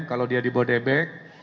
kalau dia di bodebek